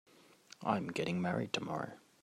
I'm getting married tomorrow.